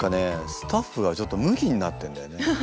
スタッフがちょっとムキになってんだよね。